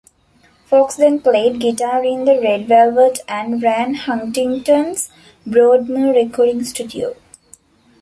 Fox then played guitar in The Red Velvet and ran Huntington's Broadmoor Recording Studio.